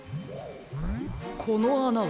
このあなは？